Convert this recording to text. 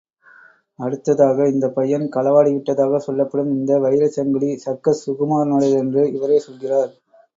அடுத்ததாக, இந்தப் பையன் களவாடி விட்டதாகச் சொல்லப்படும் இந்த வைரச் சங்கிலி சர்க்கஸ் சுகுமாரனுடையதென்று இவரே சொல்கிறார்.